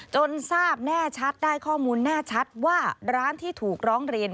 จนทราบแน่ชัดได้ข้อมูลแน่ชัดว่าร้านที่ถูกร้องเรียน